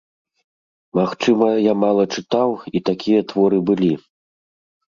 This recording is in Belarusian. Магчыма, я мала чытаў і такія творы былі.